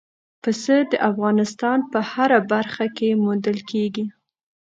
پسه د افغانستان په هره برخه کې موندل کېږي.